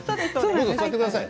どうぞ座ってください。